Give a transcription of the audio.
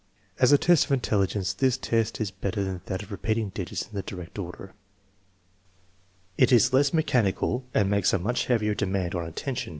As a test of intelligence this test is better than that of repeating digits in the direct order. It is less mechanical and makes a much heavier demand on attention.